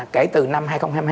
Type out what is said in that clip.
kể từ năm hai nghìn hai mươi hai